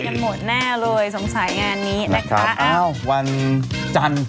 แน่นอนสิเสียใจกันหมดแน่เลยสงสัยงานนี้นะครับอ้าววันจันทร์